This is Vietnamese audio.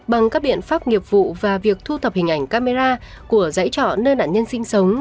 bằng các biện pháp nghiệp vụ và việc thu thập hình ảnh camera của dãy trọ nơi nạn nhân sinh sống